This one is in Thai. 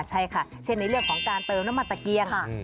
ใช่ค่ะเช่นในเรื่องของการเติมน้ำมันตะเกียง